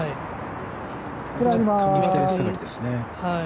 若干、左下がりですね。